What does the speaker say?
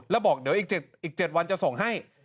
แล้วบอกเดี๋ยวอีก๗วันจะส่งให้